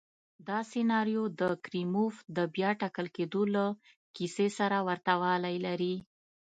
دا سناریو د کریموف د بیا ټاکل کېدو له کیسې سره ورته والی لري.